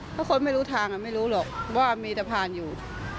เพราะคนไม่รู้ทางไม่รู้หรอกว่ามีสะพานอยู่